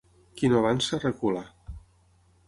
Qui no avança, recula.